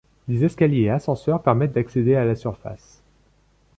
Des escaliers et ascenseurs permettent d'accéder à la surface.